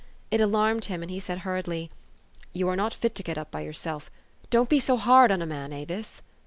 It alarmed him, and he said hurriedly, " You are not fit to get up by yourself. Don't be so hard on a man, Avis